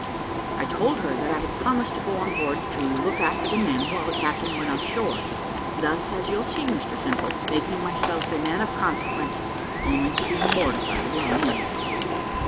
I told her that I had promised to go on board to hook after the men while the captain went on shore; thus, as you'll see, Mr Simple, making myself a man of consequence, only to be mortified in the end.